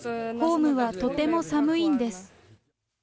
ホームはとても寒いんです。